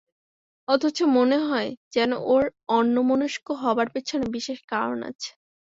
অথচ মনে হয়, যেন ওঁর অন্যমনস্ক হবার বিশেষ কারণ আছে।